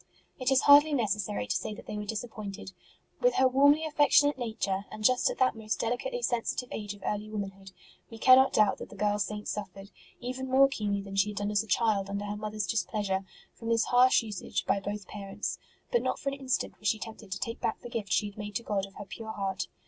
It is hardly necessary to say that they were disappointed. With her warmly affectionate nature, and just at that most delicately sensitive 70 ST. ROSE OF LIMA age of early womanhood, we cannot doubt that the girl Saint suffered, even more keenly than she had done as a child under her mother s dis pleasure, from this harsh usage by both parents ; but not for an instant was she tempted to take back the gift she had made to God of her pure heart.